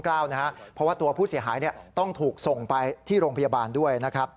เพราะว่าตัวผู้เสียหายต้องถูกส่งไปที่โรงพยาบาลด้วยนะครับ